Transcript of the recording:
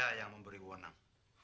saya yang memberi wuwenang